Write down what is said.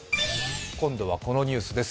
今度はこのニュースです。